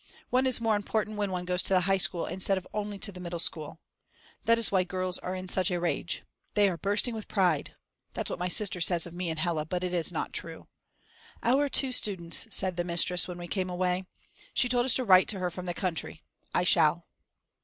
One is more important when one goes to the high school instead of only to the middle school. That is why the girls are in such a rage. "They are bursting with pride" (that's what my sister says of me and Hella, but it is not true). "Our two students" said the mistress when we came away. She told us to write to her from the country. I shall.